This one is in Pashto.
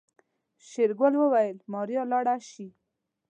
شېرګل وويل ماريا لاړه شي.